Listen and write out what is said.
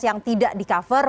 yang tidak di cover